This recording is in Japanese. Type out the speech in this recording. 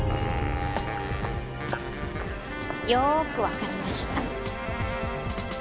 よーくわかりました。